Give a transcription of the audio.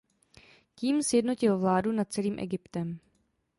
Tím sjednotil vládu nad celým Egyptem.